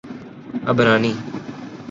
عبرانی